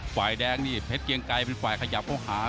ฝ่ายแดงนี่เพชรเกียงไกรเป็นฝ่ายขยับเข้าหา